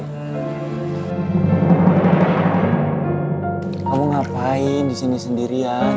kamu ngapain disini sendirian